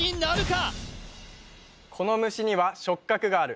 「この虫には触角がある」